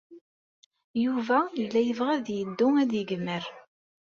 Yuba yella yebɣa ad yeddu ad yegmer.